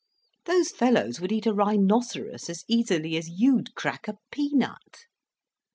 Those fellows would eat a rhinoceros as easily as you'd crack a peanut.